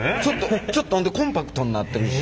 ちょっとほんでコンパクトになってるし。